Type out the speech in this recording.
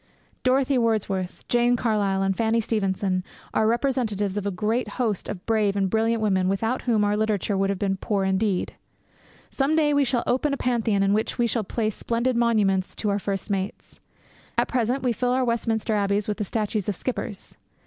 Dorothy Wordsworth, Jane Carlyle, and Fanny Stevenson are representatives of a great host of brave and brilliant women without whom our literature would have been poor indeed. Some day we shall open a Pantheon in which we shall place splendid monuments to our first mates. At present we fill our Westminster Abbeys with the statues of skippers.